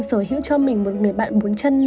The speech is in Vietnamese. sở hữu cho mình một người bạn bốn chân